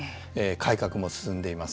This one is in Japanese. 改革も進んでいます。